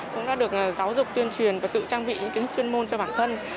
cũng đã được giáo dục tuyên truyền và tự trang bị những kiến thức chuyên môn cho bản thân